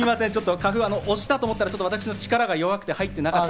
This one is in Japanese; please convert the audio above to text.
カフを押したと思ったら、私の力が弱くて入っていなかった。